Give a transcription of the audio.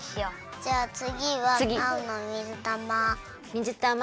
じゃあつぎはあおのみずたま。